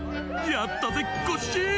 やったぜコッシー！